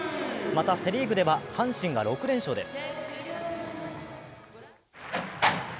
また、セ・リーグでは阪神が６連勝です。